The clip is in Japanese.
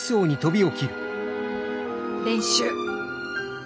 練習！